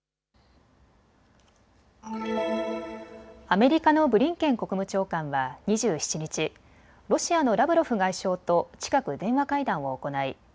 アメリカのブリンケン国務長官は２７日、ロシアのラブロフ外相と近く電話会談を行い